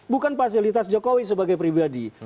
bukan fasilitas jokowi sebagai pribadi